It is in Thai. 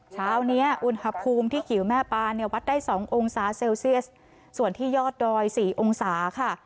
เช้านี้อุณหภูมิที่ขิวแม่ปาเนี่ยวัดได้สององศาเซลเซียสส่วนที่ยอดดอยสี่องศาค่ะ